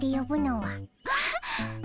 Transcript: あっ。